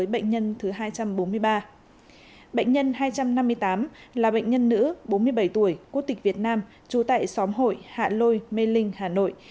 bệnh nhân hai trăm năm mươi tám là bệnh nhân nữ bốn mươi bảy tuổi cốt tịch việt nam trú tại xóm hội hạ lôi mê linh hà nội